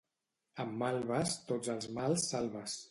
Amb malves tots els mals salves.